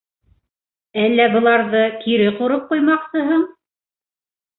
Әллә быларҙы кире ҡороп ҡуймаҡсыһың?